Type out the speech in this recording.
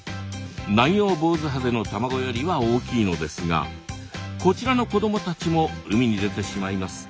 ナンヨウボウズハゼの卵よりは大きいのですがこちらの子供たちも海に出てしまいます。